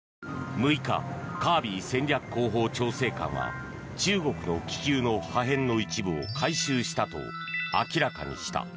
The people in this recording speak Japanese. ６日カービー戦略広報調整官は中国の気球の破片の一部を回収したと明らかにした。